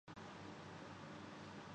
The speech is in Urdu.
ایموجی